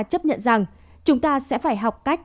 chấp nhận rằng chúng ta sẽ phải học cách